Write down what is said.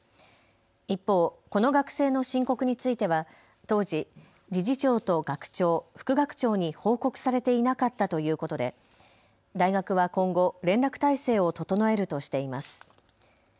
一方、この学生の申告については当時、理事長と学長、副学長に報告されていなかったということで大学は今後、連絡体制を整えるとしています。